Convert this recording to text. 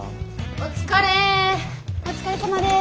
お疲れさまです。